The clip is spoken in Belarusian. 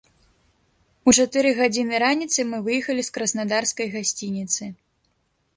У чатыры гадзіны раніцы мы выехалі з краснадарскай гасцініцы.